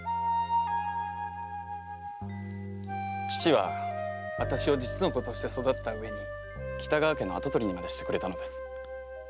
義父は私を実の子として育てたうえに北川家の跡取りにまでしてくれたのです。